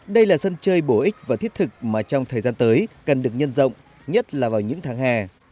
đây là sân chơi bổ ích và thiết thực mà trong thời gian tới cần được nhân rộng nhất là vào những tháng hè